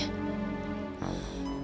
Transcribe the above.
keliatannya serius banget